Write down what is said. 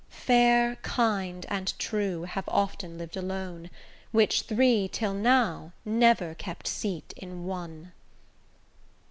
Fair, kind, and true, have often liv'd alone, Which three till now, never kept seat in one.